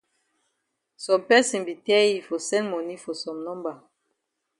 Some person be tell yi for send moni for some number.